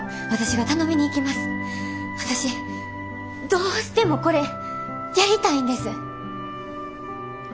私どうしてもこれやりたいんです。